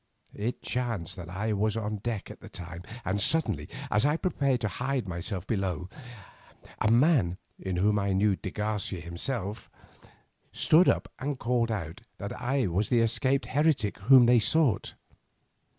It chanced that I was on deck at the time, and suddenly, as I prepared to hide myself below, a man, in whom I knew de Garcia himself, stood up and called out that I was the escaped heretic whom they sought.